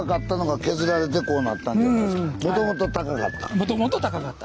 「もともと高かった」。